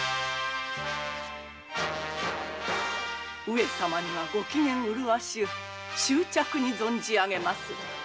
上様にはご機嫌うるわしく祝着に存じあげまする。